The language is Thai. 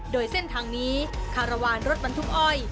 โดยเส้นทางนี้คารวาลรถบรรทุกอ้อย